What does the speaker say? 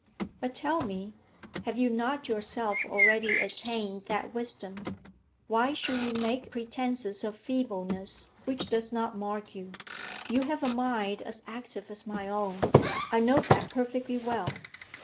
'But tell me, have you not yourself already attained that wisdom? Why should you make pretences of feebleness which does not mark you? You have a mind as active as my own; I know that perfectly well.